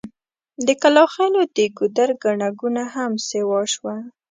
د کلاخېلو د ګودر ګڼه ګوڼه هم سيوا شوه.